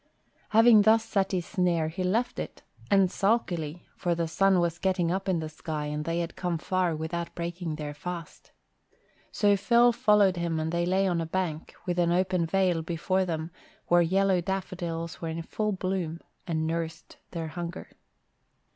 Having thus set his snare, he left it, and sulkily, for the sun was getting up in the sky and they had come far without breaking their fast. So Phil followed him and they lay on a bank, with an open vale before them where yellow daffodils were in full bloom, and nursed their hunger.